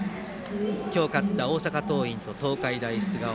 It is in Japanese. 今日勝った大阪桐蔭と東海大菅生。